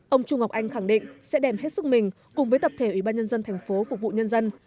ông chu ngọc anh khẳng định sẽ đem hết sức mình cùng với tập thể ủy ban nhân dân thành phố phục vụ nhân dân